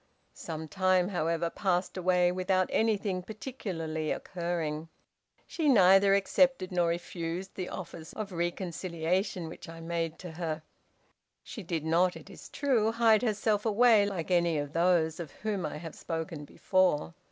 Some time, however, passed away without anything particularly occurring. She neither accepted nor refused the offers of reconciliation which I made to her. She did not, it is true, hide herself away like any of those of whom I have spoken before.